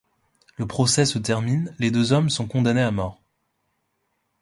Le procès se termine, les deux hommes sont condamnés à mort.